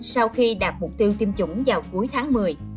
sau khi đạt mục tiêu tiêm chủng vào cuối tháng một mươi